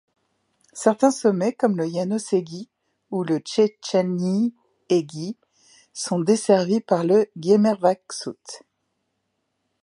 Certains sommets comme le János-hegy ou le Széchenyi-hegy sont desservis par le Gyermekvasút.